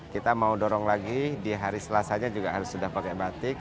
kita mau dorong lagi di hari selasanya juga harus sudah pakai batik